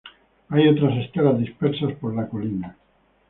Hay otras estelas dispersas por la colina.